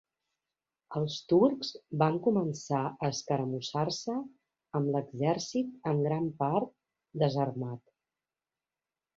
Els turcs van començar a escaramussar-se amb l'exèrcit en gran part desarmat